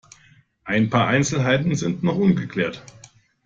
Ein paar Einzelheiten sind noch ungeklärt.